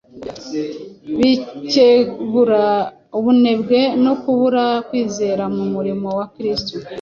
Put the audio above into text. bikebura ubunebwe no kubura kwizera mu murimo wa Kristo.